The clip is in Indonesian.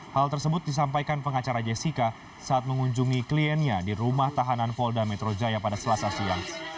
hal tersebut disampaikan pengacara jessica saat mengunjungi kliennya di rumah tahanan polda metro jaya pada selasa siang